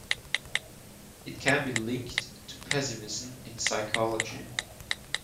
It can be linked to pessimism in psychology.